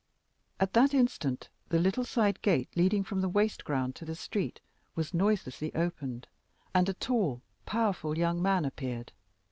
At that instant the little side gate leading from the waste ground to the street was noiselessly opened, and a tall, powerful young man appeared.